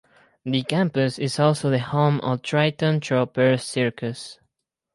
The campus is also the home of Triton Troupers Circus.